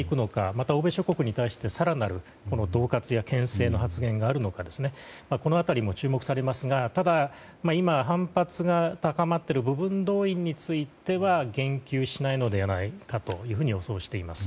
また、欧米諸国に対しての更なる恫喝や牽制があるのかどうかこの辺りも注目されますがただ今、反発が高まっている部分動員については言及しないのではないかと予想しています。